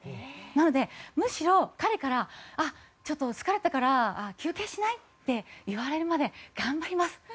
なのでむしろ彼から「あっちょっと疲れたから休憩しない？」って言われるまで頑張ります。